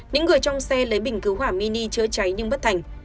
những người trong xe lấy bình cứu hỏa mini chữa cháy nhưng bất thành